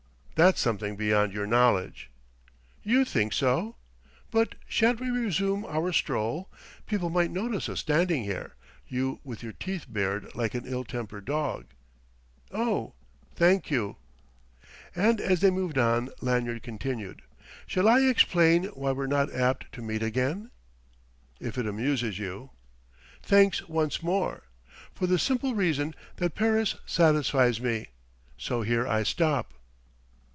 "That's something beyond your knowledge " "You think so? ... But shan't we resume our stroll? People might notice us standing here you with your teeth bared like an ill tempered dog.... Oh, thank you!" And as they moved on, Lanyard continued: "Shall I explain why we're not apt to meet again?" "If it amuses you." "Thanks once more! ... For the simple reason that Paris satisfies me; so here I stop."